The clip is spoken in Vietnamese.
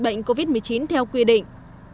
bệnh covid một mươi chín theo quy định